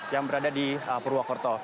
yang berada di purwokerto